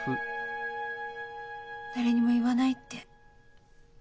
だれにも言わないって。